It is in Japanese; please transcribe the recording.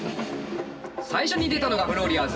最初に出たのがフローリアーズ。